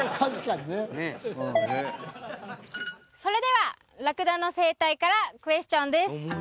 それではラクダの生態からクエスチョンです